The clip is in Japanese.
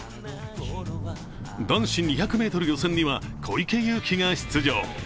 男子２００ｍ予選には小池祐貴が出場。